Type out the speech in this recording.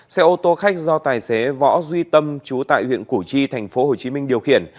xe ô tô khách do tài xế võ duy tâm trú tại huyện củ chi thành phố hồ chí minh điều khiển